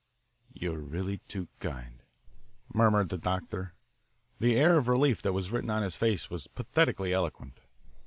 "You are really too kind," murmured the doctor. The air of relief that was written on his face was pathetically eloquent.